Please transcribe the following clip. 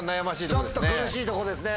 ちょっと苦しいとこですね。